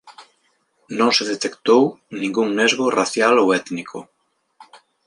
Non se detectou ningún nesgo racial ou étnico.